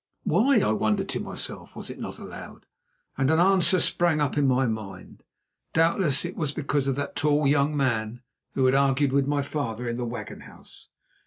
Why, I wondered to myself, was it not allowed, and an answer sprang up in my mind. Doubtless it was because of that tall young man who had argued with my father in the wagon house.